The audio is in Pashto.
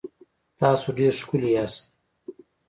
تاسو ډېر ښکلي یاست